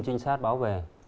trinh sát báo về